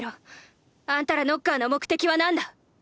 あんたらノッカーの目的は何だ？